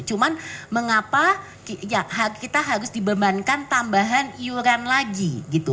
cuma mengapa ya kita harus dibebankan tambahan iuran lagi gitu